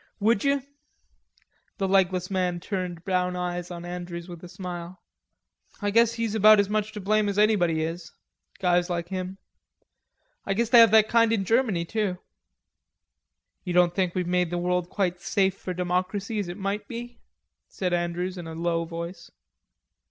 "Would you?" The legless man turned brown eyes on Andrews with a smile. "I guess he's about as much to blame as anybody is... guys like him.... I guess they have that kind in Germany, too." "You don't think we've made the world quite as safe for Democracy as it might be?" said Andrews in a low voice.